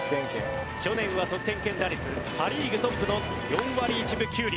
去年は得点圏打率パ・リーグトップの４割１分９厘。